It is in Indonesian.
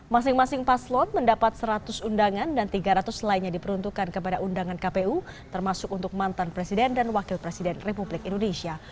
masing masing paslon mendapat seratus undangan dan tiga ratus lainnya diperuntukkan kepada undangan kpu termasuk untuk mantan presiden dan wakil presiden republik indonesia